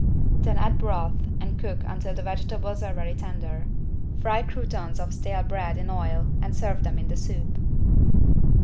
Then add broth and cook until the vegetables are very tender. Fry croutons of stale bread in oil and serve them in the soup.